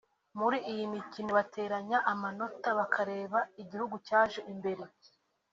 muri iyi mikino bateranya amanota bakareba igihugu cyaje imbere